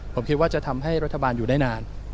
ผมคิดว่าจะทำให้รัฐบาลอยู่ได้นาน